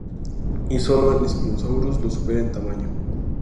Y solo el "Spinosaurus" lo supera en tamaño.